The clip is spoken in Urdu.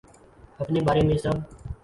اپنے بارے میں سب